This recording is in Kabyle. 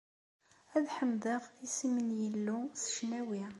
Ad ḥemdeɣ isem n Yillu s ccnawi.